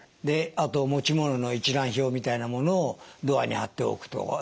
であと持ち物の一覧表みたいなものをドアに貼っておくと。